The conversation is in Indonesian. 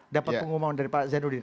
dapat pengumuman dari pak zainuddin